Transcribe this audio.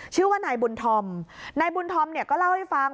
ชื่อว่านายบุญธอมนายบุญธอมเนี่ยก็เล่าให้ฟัง